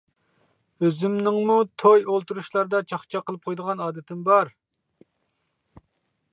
ئۆزۈمنىڭمۇ توي، ئولتۇرۇشلاردا چاقچاق قىلىپ قويىدىغان ئادىتىم بار.